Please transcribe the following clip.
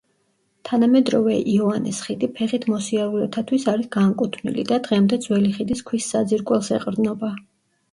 თანამედროვე იოანეს ხიდი ფეხით მოსიარულეთათვის არის განკუთვნილი და დღემდე ძველი ხიდის ქვის საძირკველს ეყრდნობა.